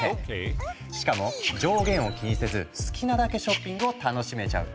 しかも上限を気にせず好きなだけショッピングを楽しめちゃう。